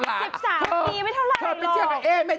วันนี้พึ่งเจอไง